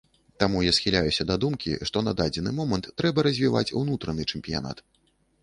Таму я схіляюся да думкі, што на дадзены момант трэба развіваць унутраны чэмпіянат.